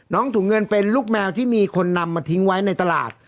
ถุงเงินเป็นลูกแมวที่มีคนนำมาทิ้งไว้ในตลาด